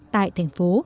tại thành phố